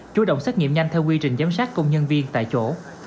chú động xét nghiệm nhanh theo quy trình giám sát công nhân viên tại chỗ